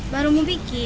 baru mau bikin